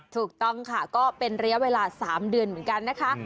ถูกต้องค่ะก็เป็นระยะเวลา๓เดือนเหมือนกันนะคะ